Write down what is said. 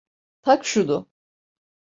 Tak şunu!